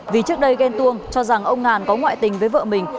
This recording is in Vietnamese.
vì trước đây ghen tuông cho rằng ông ngàn có ngoại tình với vợ mình